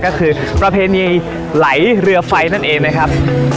ก็คือประเพณีไหลเรือไฟนั่นเองนะครับ